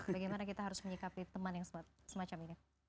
bagaimana kita harus menyikapi teman yang semacam ini